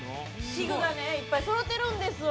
器具がねいっぱいそろってるんですわ。